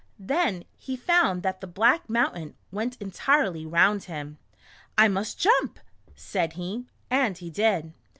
Then he found that the "black mountain " went entirely round him. "I must jump," said he, and he did.